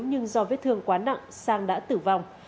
nhưng do vết thương quá nặng sang đã tử vong